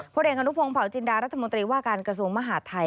เด็กอนุพงศาวจินดารัฐมนตรีว่าการกระทรวงมหาดไทย